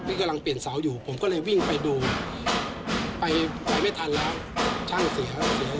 นี่กำลังเปลี่ยนเสาอยู่ผมก็เลยวิ่งไปดูไปไปไม่ทันแล้วช่างเสียแล้วเสีย